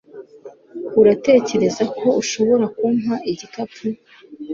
Uratekereza ko ushobora kumpa igikapu?